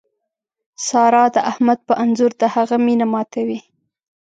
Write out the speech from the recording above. سارا د احمد په انځور د هغه مینه ماتوي.